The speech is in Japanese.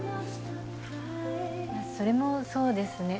まっそれもそうですね。